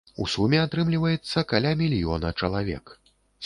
У суме атрымліваецца каля мільёна чалавек.